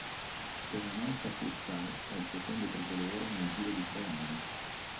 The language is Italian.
Per la Marca Futsal è il secondo tricolore nel giro di tre anni.